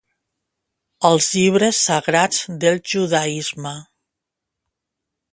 Els llibres sagrats del judaisme.